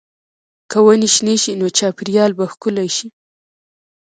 که ونې شنې شي، نو چاپېریال به ښکلی شي.